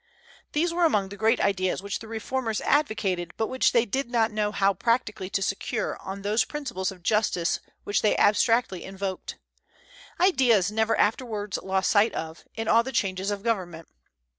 These were among the great ideas which the reformers advocated, but which they did not know how practically to secure on those principles of justice which they abstractly invoked, ideas never afterwards lost sight of, in all the changes of government.